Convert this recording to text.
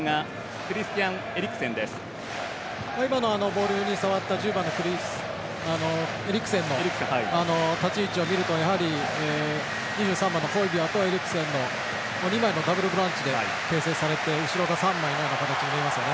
ボールに触った１０番のエリクセンの立ち位置を見るとやはり、２３番のホイビヤとエリクセンの２枚のダブルボランチで形成されて後ろが３枚の形かと思います。